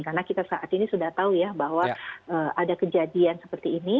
karena kita saat ini sudah tahu ya bahwa ada kejadian seperti ini